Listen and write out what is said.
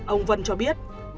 ông vân cho biết